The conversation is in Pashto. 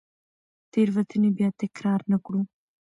تېروتنې بیا تکرار نه کړو.